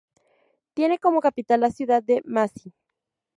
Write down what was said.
Tiene como capital la ciudad de Massy.